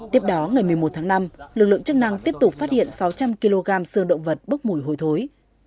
tiếp đó ngày một mươi một tháng năm lực lượng chức năng tiếp tục phát hiện sáu trăm linh kg sơn động vật bốc mùi hôi thối